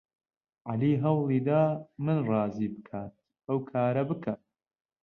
عەلی هەوڵی دا من ڕازی بکات ئەو کارە بکەم.